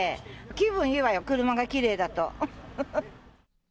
気分いいわよ、車がきれいだと。